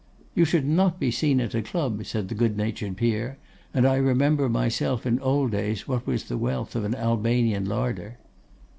'You should not be seen at a club,' said the good natured peer; 'and I remember myself in old days what was the wealth of an Albanian larder.